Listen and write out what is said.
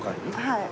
はい。